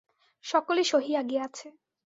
সকলই সহিয়া গিয়াছে।